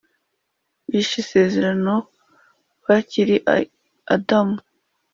bishe isezerano bakiri i Adama,